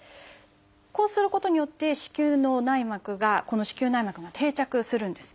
こうすることによって子宮の内膜がこの子宮内膜が定着するんですね。